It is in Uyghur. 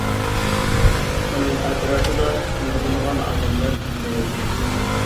ئۇنىڭ ئەتراپىدا نۇرغۇنلىغان ئادەملەر بىللە ياشايدۇ.